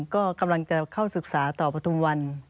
ก็กำลังจะเข้าศึกษาต่อประทุมวัน